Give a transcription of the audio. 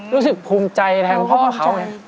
รู้สึกภูมิใจแทนพ่อเขา